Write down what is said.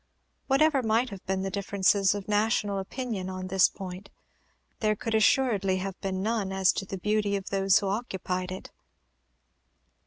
Whatever might have been the differences of national opinion on this point, there could assuredly have been none as to the beauty of those who occupied it.